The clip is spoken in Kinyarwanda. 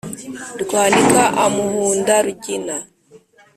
rwanika amuhunda rugina.